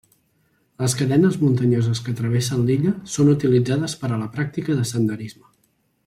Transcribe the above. Les cadenes muntanyoses que travessen l'illa són utilitzades per a la pràctica de senderisme.